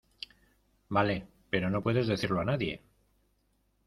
vale, pero no puedes decirlo a nadie.